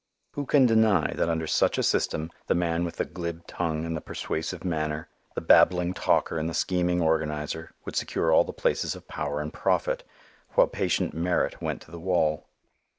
Who can deny that under such a system the man with the glib tongue and the persuasive manner, the babbling talker and the scheming organizer, would secure all the places of power and profit, while patient merit went to the wall?